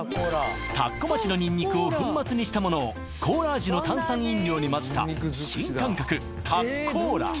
田子町のニンニクを粉末にしたものをコーラ味の炭酸飲料に混ぜた新感覚タッコーラ